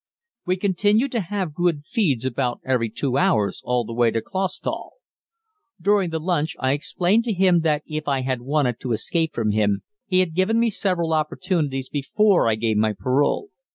We continued to have good feeds about every two hours all the way to Clausthal. During the lunch, I explained to him that if I had wanted to escape from him, he had given me several opportunities before I gave my parole.